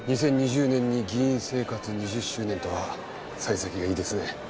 ２０２０年に議員生活２０周年とは幸先がいいですね。